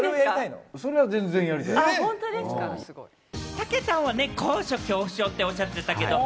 たけたんは高所恐怖症とおっしゃってたけれども、